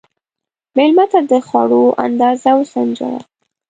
مېلمه ته د خوړو اندازه وسنجوه.